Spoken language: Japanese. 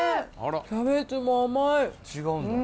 キャベツも甘い。